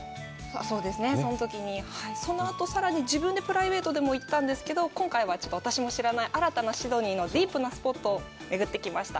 そのあとさらに自分でプライベートでも行ったんですけど、今回はちょっと私も知らない新たなシドニーのディープなスポットをめぐってきました。